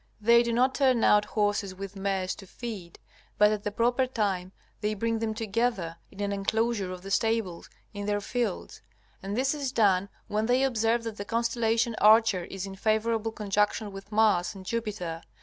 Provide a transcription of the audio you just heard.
They do not turn out horses with mares to feed, but at the proper time they bring them together in an enclosure of the stables in their fields. And this is done when they observe that the constellation Archer is in favorable conjunction with Mars and Jupiter.